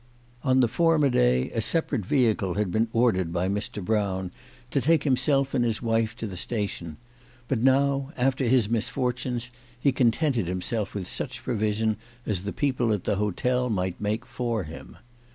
On the former day a separate vehicle had been ordered by Mr. Brown to take himself and his wife to the station, but now, after his misfortunes, he contented himself with such provision as the people at the hotel might make for him.